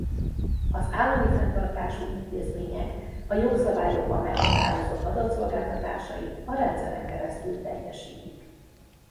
Az állami fenntartású intézmények a jogszabályokban meghatározott adatszolgáltatásait a rendszeren keresztül teljesítik.